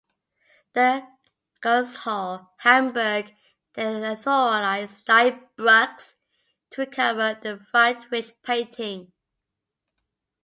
The Kunsthalle Hamburg then authorized Liebrucks to recover the Friedrich painting.